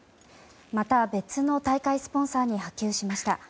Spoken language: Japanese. また別の大会スポンサーに波及しました。